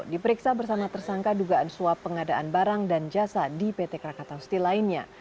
diperiksa bersama tersangka dugaan suap pengadaan barang dan jasa di pt krakatau steel lainnya